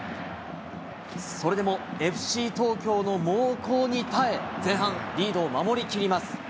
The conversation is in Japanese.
それでもＦＣ東京の猛攻に耐え、前半リードを守りきります。